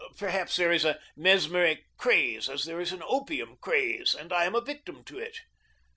Perhaps there is a mesmeric craze as there is an opium craze, and I am a victim to it.